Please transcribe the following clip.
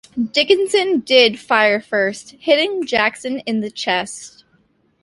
Dickinson did fire first, hitting Jackson in the chest.